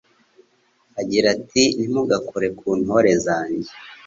agira ati Ntimugakore ku ntore zanjye